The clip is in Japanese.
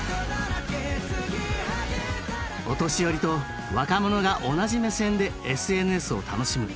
お年寄りと若者が同じ目線でＳＮＳを楽しむ。